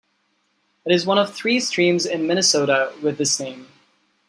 It is one of three streams in Minnesota with this name.